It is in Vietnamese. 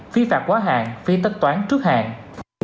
phí phạt quá hạn phí tất toán trước hạn